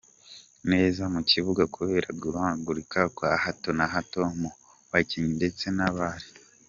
neza mu kibuga kubera guhuzagurika kwa hato na hato mu bakinnyi ndetse nabari.